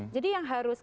jadi yang harus